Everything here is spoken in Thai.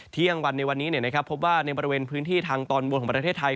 เที่ยงวันในวันนี้พบว่าในบริเวณพื้นที่ทางตอนบนของประเทศไทย